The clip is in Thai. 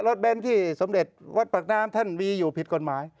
เบ้นที่สมเด็จวัดปากน้ำท่านมีอยู่ผิดกฎหมาย